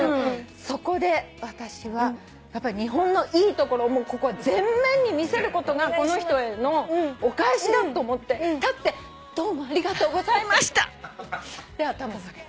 そこで私は日本のいいところここは前面に見せることがこの人へのお返しだと思って立ってどうもありがとうございましたって頭下げた。